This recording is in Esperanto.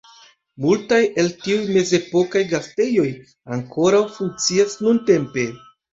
Multaj el tiuj mezepokaj gastejoj ankoraŭ funkcias nuntempe.